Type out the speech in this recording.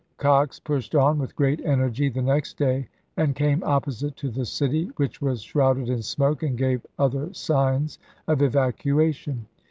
Cox pushed on with great energy the next day and came opposite to the city, which was shrouded in smoke, and gave other signs of evacuation.